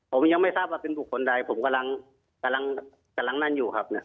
ผมยังไม่ทราบว่ามีคนใดผมกำลังนั่นนั่นอยู่ครับ